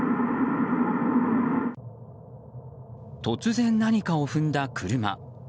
突然、何かを踏んだ車。